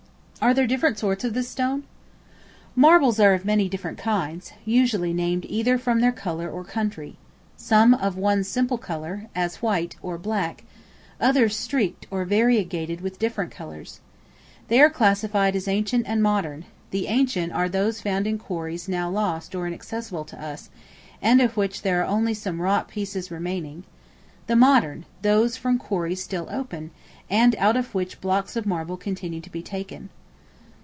Are there different sorts of this Stone? Marbles are of many different kinds, usually named either from their color or country; some of one simple color, as white, or black; others streaked or variegated with different colors. They are classified as ancient and modern: the ancient are those found in quarries now lost or inaccessible to us, and of which there are only some wrought pieces remaining; the modern, those from quarries still open, and out of which blocks of marble continue to be taken.